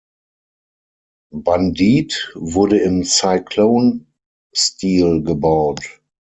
Bandit wurde im Cyclone-Stil gebaut.